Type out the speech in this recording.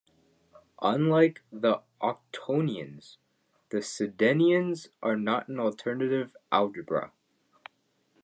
Unlike the octonions, the sedenions are not an alternative algebra.